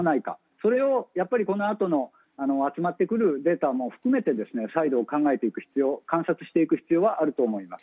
それをこのあとの集まってくるデータも含め再度観察していく必要はあると思います。